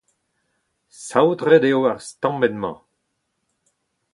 Saotret eo ar stammenn-mañ.